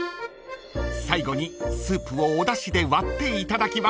［最後にスープをおだしで割っていただきます］